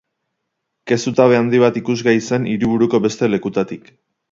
Ke zutabe handi bat ikusgai zen hiriburuko beste lekutatik.